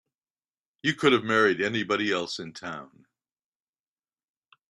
You could have married anybody else in town.